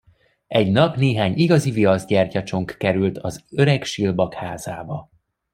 Egy nap néhány igazi viaszgyertyacsonk került az öreg silbak házába.